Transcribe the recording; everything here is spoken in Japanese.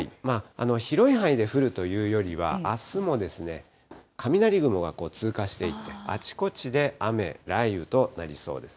広い範囲で降るというよりは、あすも雷雲が通過していって、あちこちで雨、雷雨となりそうです。